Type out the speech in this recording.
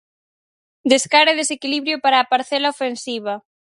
Descaro e desequilibrio para a parcela ofensiva.